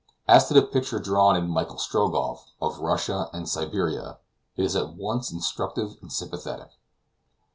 As to the picture drawn in "Michael Strogoff" of Russia and Siberia, it is at once instructive and sympathetic.